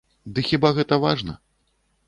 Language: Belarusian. Ды хіба гэта важна?